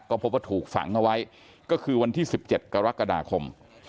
ก็พบว่าถูกฝังเอาไว้ก็คือวันที่๑๗กรกฎาคม